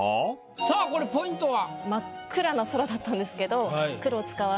さあこれポイントは？